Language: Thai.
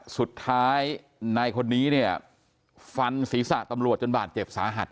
สุดท้ายนายคนนี้เนี่ยฟันศีรษะตำรวจจนบาดเจ็บสาหัส